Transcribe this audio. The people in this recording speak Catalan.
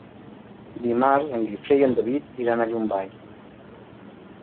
Dimarts en Guifré i en David iran a Llombai.